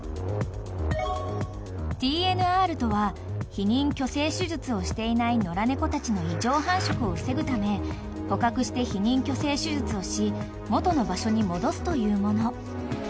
［ＴＮＲとは避妊去勢手術をしていない野良猫たちの異常繁殖を防ぐため捕獲して避妊去勢手術をし元の場所に戻すというもの］